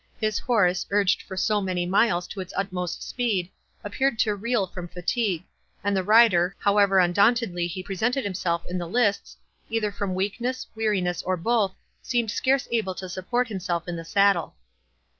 His horse, urged for many miles to its utmost speed, appeared to reel from fatigue, and the rider, however undauntedly he presented himself in the lists, either from weakness, weariness, or both, seemed scarce able to support himself in the saddle.